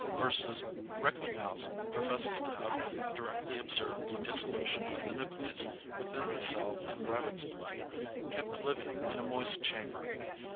v. Recklinghausen professes to have directly observed the dissolution of the nucleus within the cell in rabbit's blood, kept living in a moist chamber.